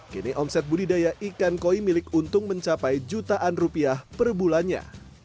kini omset budidaya ikan koi milik untung mencapai jutaan rupiah per bulannya